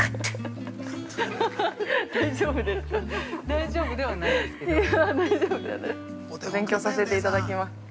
◆大丈夫ですか。